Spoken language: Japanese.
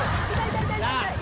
痛い痛い痛い！